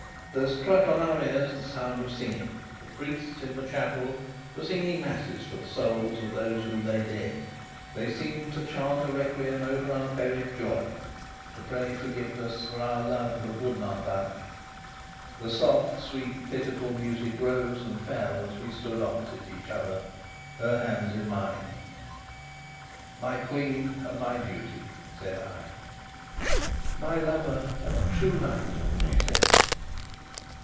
There struck on our ears the sound of singing. The priests in the chapel were singing masses for the souls of those who lay dead. They seemed to chant a requiem over our buried joy, to pray forgiveness for our love that would not die. The soft, sweet, pitiful music rose and fell as we stood opposite one another, her hands in mine. "My queen and my beauty!" said I. "My lover and true knight!" she said.